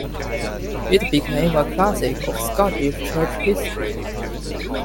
It became a classic of Scottish Church History.